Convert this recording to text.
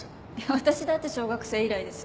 私だって小学生以来です。